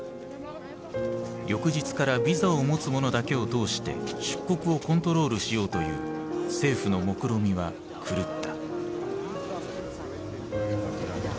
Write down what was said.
翌日からビザを持つ者だけを通して出国をコントロールしようという政府のもくろみは狂った。